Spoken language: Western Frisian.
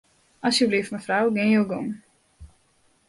Asjebleaft mefrou, gean jo gong.